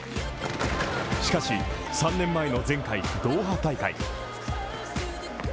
しかし、３年前の前回、ドーハ大会。